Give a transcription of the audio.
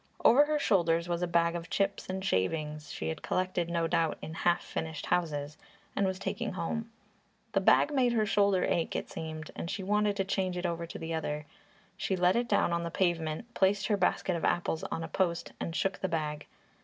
Over her shoulders was a bag of chips and shavings, she had collected no doubt in half finished houses, and was taking home. The bag made her shoulder ache it seemed and she wanted to change it over to the other shoulder. She let it down on the pavement, placed her basket of apples on a post and shook the bag.